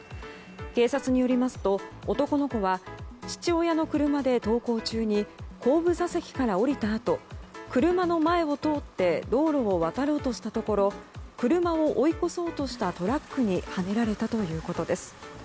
警察によりますと男の子は父親の車で登校中に後部座席から降りたあと車の前を通って道路を渡ろうとしたところ車を追い越そうとしたトラックにはねられたということです。